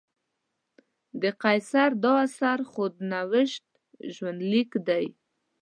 د قیصر دا اثر خود نوشت ژوندلیک دی.